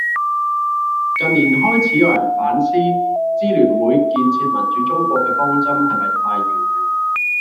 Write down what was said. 近年開始有人反思，支聯會「建設民主中國」嘅方針係咪太遙遠